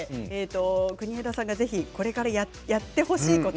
国枝さんにぜひこれからやってほしいこと